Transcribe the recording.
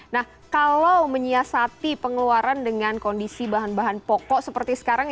nah kalau menyiasati pengeluaran dengan kondisi bahan bahan pokok seperti sekarang